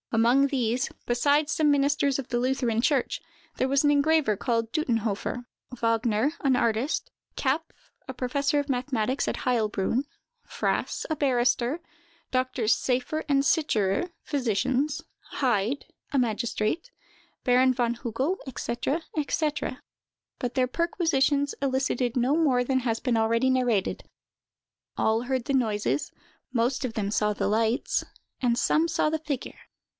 Among these, besides some ministers of the Lutheran church, there was an engraver called Duttenhofer; Wagner, an artist; Kapff, professor of mathematics at Heilbroun; Frass, a barrister; Doctors Seyffer and Sicherer, physicians; Heyd, a magistrate; Baron von Hugel, &c., &c.: but their perquisitions elicited no more than has been already narrated—all heard the noises, most of them saw the lights, and some saw the figure.